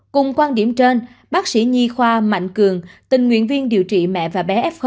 cùng quan điểm trên bác sĩ nhi khoa mạnh cường tình nguyện viên điều trị mẹ và bé f một